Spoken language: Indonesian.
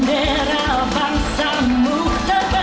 jalikanlah jiwamu lantuh